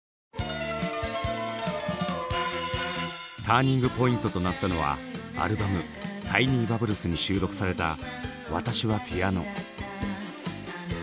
ターニングポイントとなったのはアルバム「タイニイ・バブルス」に収録された「私はピアノ」。